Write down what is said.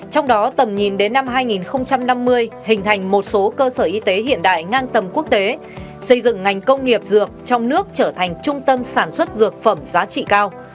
trong đó tầm nhìn đến năm hai nghìn năm mươi hình thành một số cơ sở y tế hiện đại ngang tầm quốc tế xây dựng ngành công nghiệp dược trong nước trở thành trung tâm sản xuất dược phẩm giá trị cao